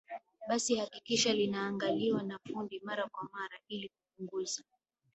basi hakikisha linaangaliwa na fundi mara kwa mara ili kupunguza